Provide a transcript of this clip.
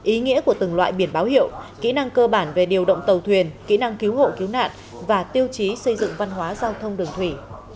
ý nghĩa của từng loại biển báo hiệu kỹ năng cơ bản về điều động tàu thuyền kỹ năng cứu hộ cứu nạn và tiêu chí xây dựng văn hóa giao thông đường thủy